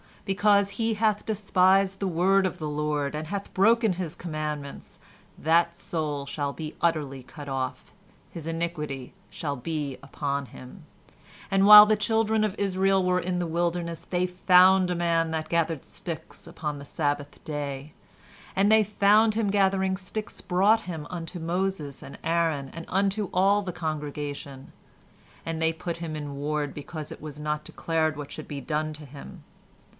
"Because he hath despised the word of the Lord, and hath broken His commandments, that soul shall be utterly cut off; his iniquity shall be upon him. "And while the children of Israel were in the wilderness they found a man that gathered sticks upon the Sabbath day. "And they that found him gathering sticks brought him unto Moses and Aaron, and unto all the congregation. "And they put him in ward because it was not declared what should be done to him.